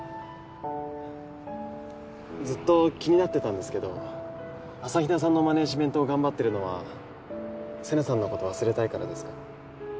ずっと気になってたんですけど朝比奈さんのマネージメントを頑張ってるのは瀬那さんのこと忘れたいからですか？